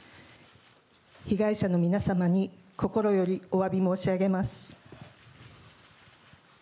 被害者の皆様に心よりおわび申し上げます。